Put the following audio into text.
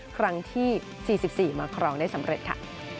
ครั้งที่๔๔มาครองได้สำเร็จค่ะ